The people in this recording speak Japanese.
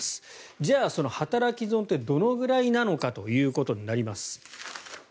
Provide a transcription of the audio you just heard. じゃあ、働き損ってどのくらいなのかということになります。